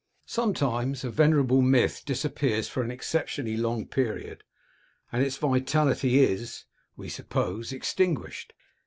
Sometimes a venerable myth disappears for an exceptionally long period, and its vitality is, we suppose, extinguished.